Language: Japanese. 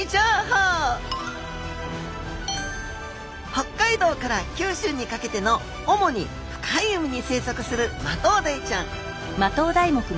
北海道から九州にかけての主に深い海に生息するマトウダイちゃん。